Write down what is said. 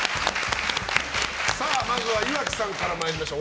まずは岩城さんから参りましょう。